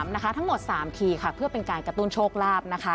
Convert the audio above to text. ทั้งหมด๓ทีค่ะเพื่อเป็นการกระตุ้นโชคลาภนะคะ